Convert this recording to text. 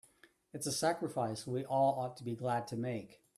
It's a sacrifice we all ought to be glad to make.